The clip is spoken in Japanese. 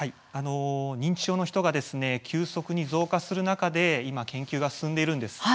認知症の人が急速に増加する中で今研究が進んでいるんです。